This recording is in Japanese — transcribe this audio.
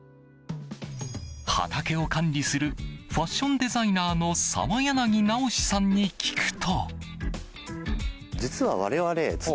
畑を管理するファッションデザイナーの澤柳直志さんに聞くと。